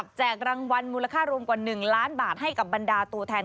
ศิลปินจากทุกค่ายจริงนะครับ